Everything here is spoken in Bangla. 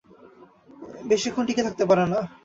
বেশীক্ষণ টিকে থাকতে পারে না।